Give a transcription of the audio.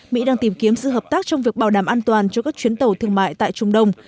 mỹ đang tìm kiếm sự hợp tác trong việc bảo đảm an toàn cho các chuyến tàu thương mại tại trung đông